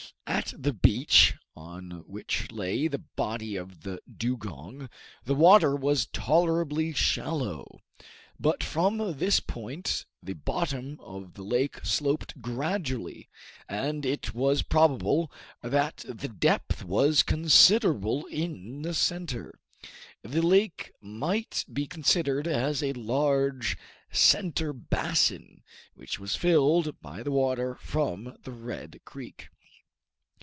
At the beach, on which lay the body of the dugong, the water was tolerably shallow, but from this point the bottom of the lake sloped gradually, and it was probable that the depth was considerable in the center. The lake might be considered as a large center basin, which was filled by the water from the Red Creek.